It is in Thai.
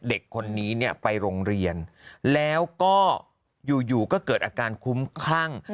เด็กคนนี้เนี่ยไปโรงเรียนแล้วก็อยู่ก็เกิดอาการคุ้มคลั่ง